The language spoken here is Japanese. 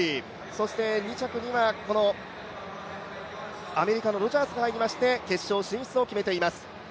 そして２着にはアメリカのロジャースが入りまして決勝進出を決めています。